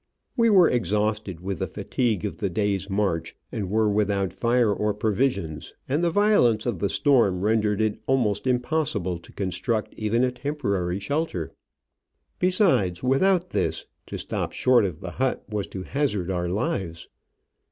We were exhausted with the fatigue of the day's march, and were without fire or provisions, and the violence of the storm rendered it almost impossible to construct even a temporary shelter. Besides, without this, to stop short of the hut was to hazard our lives.